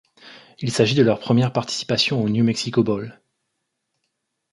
Il s'agit de leur première participation au New Mexico Bowl.